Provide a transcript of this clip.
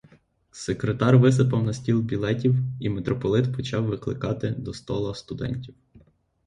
Секретар висипав на стіл білетів, і митрополит почав викликати до стола студентів.